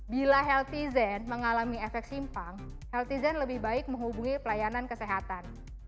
bila healthyzen mengalami efek simpang healthyzen lebih baik menghubungi pelayanan kesehatan